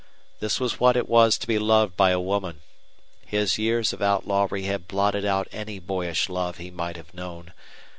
This was what it was to be loved by a woman. His years of outlawry had blotted out any boyish love he might have known.